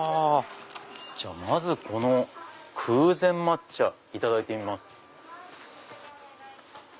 じゃあまずこの空禅抹茶いただいてみます。